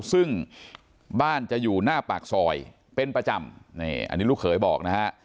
ซึ่งบ้านจะอยู่หน้าปากซอยเป็นประจำนี่อันนี้ลูกเขยบอกนะฮะ